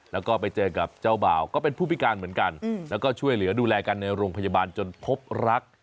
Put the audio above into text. แล้วก็ไปเจอกับเจ้าบ่าวก็เป็นผู้พิการเหมือนกันแล้วก็ช่วยเหลือดูแลกันในโรงพยาบาลจนพบรัก